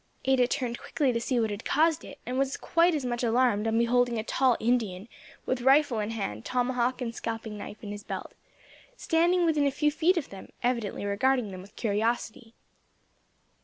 Ada turned quickly to see what had caused it, and was quite as much alarmed on beholding a tall Indian, with rifle in hand, tomahawk and scalping knife in his belt, standing within a few feet of them, evidently regarding them with curiosity.